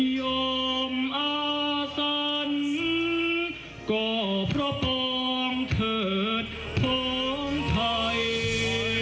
ย่อมอาศันทร์ก็พระปลอมเถิดพร้อมไทย